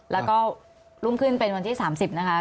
แล้วก็รุ่งขึ้นเป็นวันที่๓๐นะคะ